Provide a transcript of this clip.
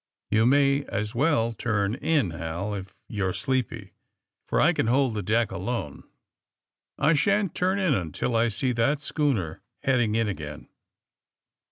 You may as well turn in, Hal, if you are sleepy, for I can hold the deck alone. I shan't turn in until I see that schooner heading in again."